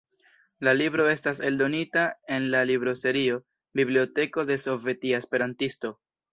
La libro estas eldonita en la libroserio "Biblioteko de Sovetia Esperantisto"